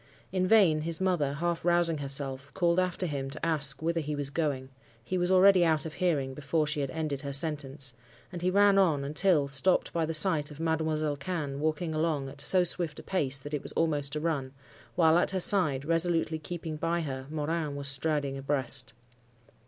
In vain his mother, half rousing herself, called after him to ask whither he was going: he was already out of hearing before she had ended her sentence, and he ran on until, stopped by the sight of Mademoiselle Cannes walking along at so swift a pace that it was almost a run; while at her side, resolutely keeping by her, Morin was striding abreast.